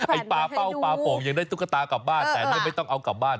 ปลาเป้าปลาโป่งยังได้ตุ๊กตากลับบ้านแต่นี่ไม่ต้องเอากลับบ้าน